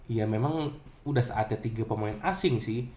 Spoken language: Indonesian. ya memang udah saatnya tiga pemain asing sih